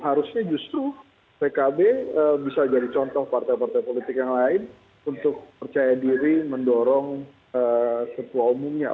harusnya justru pkb bisa jadi contoh partai partai politik yang lain untuk percaya diri mendorong ketua umumnya